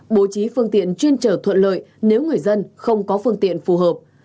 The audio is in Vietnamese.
bố trí phương tiện chuyên trở thuận lợi nếu người dân không có phương tiện phù hợp